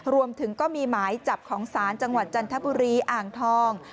รวมถึงก็มีหมายจับของศาลจังหวัดจันทบุรีอ่างทอง